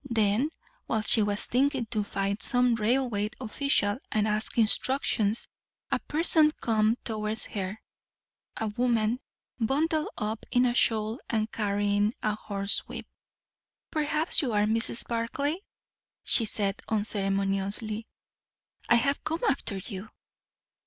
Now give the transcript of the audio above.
Then, while she was thinking to find some railway official and ask instructions, a person came towards her; a woman, bundled up in a shawl and carrying a horsewhip. "Perhaps you are Mrs. Barclay?" she said unceremoniously. "I have come after you."